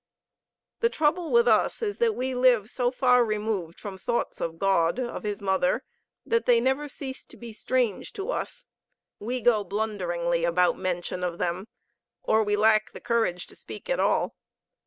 The trouble with us is that we live so far removed from thoughts of God, of His Mother, that they never cease to be strange to us. We go blunderingly about mention of them, or we lack the courage to speak at all.